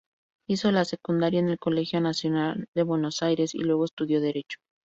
Hizo la secundaria en el Colegio Nacional de Buenos Aires y luego estudió Derecho.